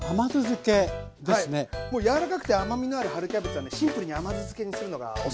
もう柔らかくて甘みのある春キャベツはねシンプルに甘酢漬けにするのがおすすめです。